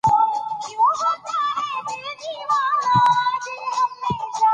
هنر د سولې هغه پیغام دی چې په هره ژبه پوهېدل کېږي.